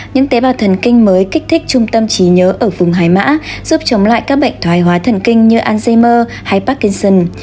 những tế bào thần kinh mới kích thích trung tâm trí nhớ ở vùng hai mã giúp chống lại các bệnh thoái hóa thần kinh như alzheimer hay parkinson